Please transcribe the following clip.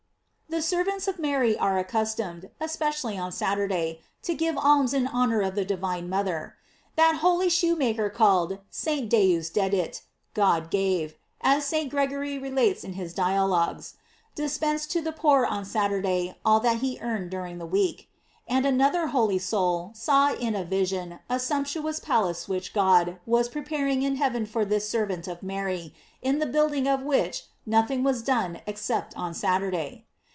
THE servants of Mary are accustomed, espe cially on Saturday, to give alms in honor of the divine mother. That holy shoemaker called St. J)eusdedit (God gave), as St. Gregory relates in his Dialogues, dispensed to the poor on Saturday all that he earned during the week. And an other holy soul saw in a vision a sumptuous palace which God was preparing in heaven for this servant of Mary, in the building of which nothing was done except on Saturday.